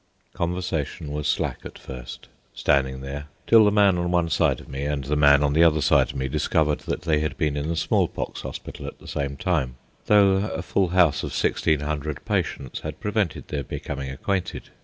Conversation was slack at first, standing there, till the man on one side of me and the man on the other side of me discovered that they had been in the smallpox hospital at the same time, though a full house of sixteen hundred patients had prevented their becoming acquainted.